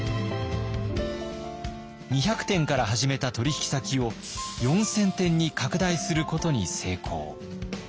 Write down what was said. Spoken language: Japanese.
２００店から始めた取引先を４，０００店に拡大することに成功。